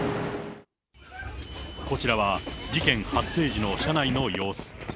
こちらは事件発生時の車内の様子。